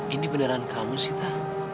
ini beneran kamu sita